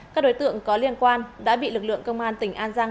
các đối tượng có liên quan đã bị lực lượng công an tỉnh an giang